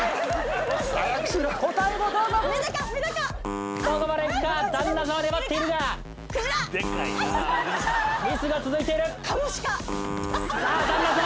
答えをどうぞどこまでいくか旦那様粘っているがミスが続いているさあ旦那様